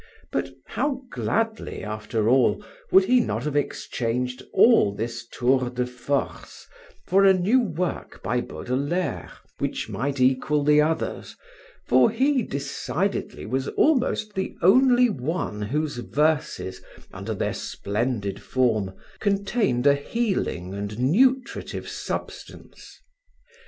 But how gladly, after all, would he not have exchanged all this tour de force for a new work by Baudelaire which might equal the others, for he, decidedly, was almost the only one whose verses, under their splendid form, contained a healing and nutritive substance.